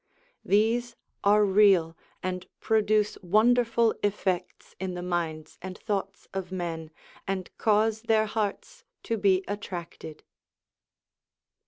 These are real, and produce wonderful effects in the minds and thoughts of men, and cause their hearts to be attracted.